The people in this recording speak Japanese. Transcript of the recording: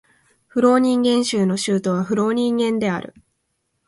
フローニンゲン州の州都はフローニンゲンである